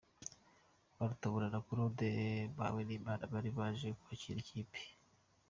Rwarutabura na Claude muhawenimana bari baje kwakira ikipe.